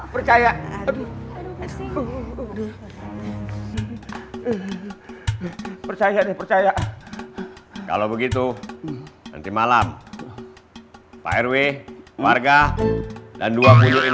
percaya percaya percaya kalau begitu nanti malam pak rw warga dan